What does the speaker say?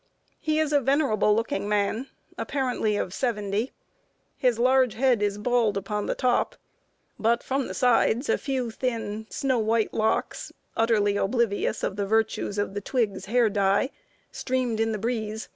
He is a venerable looking man, apparently of seventy. His large head is bald upon the top; but from the sides a few thin snow white locks, utterly oblivious of the virtues of "the Twiggs Hair Dye," streamed in the breeze.